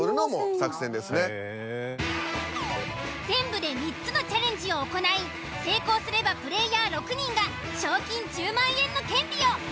全部で３つのチャレンジを行い成功すればプレイヤー６人が賞金１０万円の権利を。